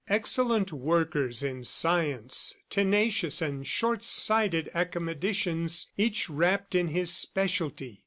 ... Excellent workers in science; tenacious and short sighted academicians, each wrapped in his specialty!